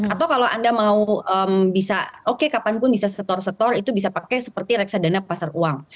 atau kalau anda mau bisa oke kapanpun bisa setor setor itu bisa pakai seperti reksadana pasar uang